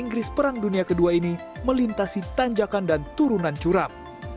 inggris perang dunia ii ini melintasi tanjakan dan turunan curam